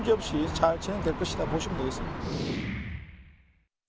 jadi saya rasa tidak ada masalah ini akan berjalan dengan baik